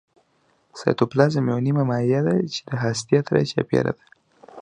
سایتوپلازم یوه نیمه مایع ماده ده چې هسته ترې چاپیره ده